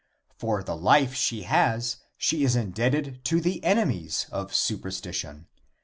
For the life she has she is indebted to the enemies of superstition.